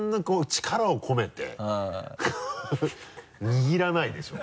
握らないでしょ？